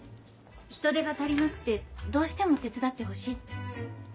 人手が足りなくてどうしても手伝ってほしいって。